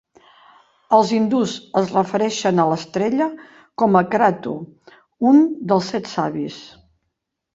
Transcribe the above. Els hindús es refereixen a l'estrella com a "Kratu", un dels set savis.